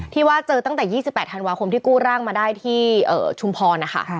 ที่ว่าเจอตั้งแต่๒๘ธันวาคมที่กู้ร่างมาได้ที่ชุมพรนะคะ